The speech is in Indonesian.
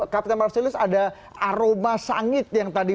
kapten marcelise ada aroma sangit yang tadi